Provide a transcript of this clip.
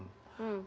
makna yang kedua